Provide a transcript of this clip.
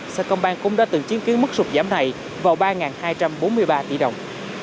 sài gòn cũng đã từng chứng kiến mức sụt giảm này vào ba hai trăm bốn mươi ba tỷ đồng